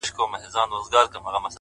اخلاق د شخصیت هنداره ده.!